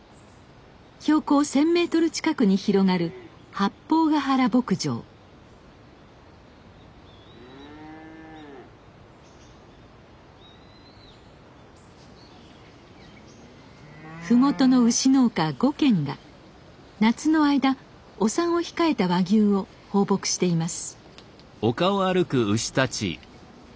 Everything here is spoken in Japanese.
標高１，０００メートル近くに広がる麓の牛農家５軒が夏の間お産を控えた和牛を放牧しています。